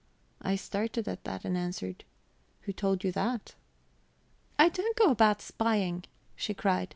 I started at that, and answered: "Who told you that?" "I don't go about spying," she cried.